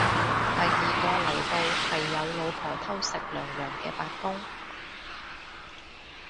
第二個嚟到係有老婆偷食娘娘嘅八公